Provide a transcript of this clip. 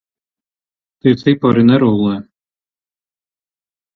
Tie cipari nerullē.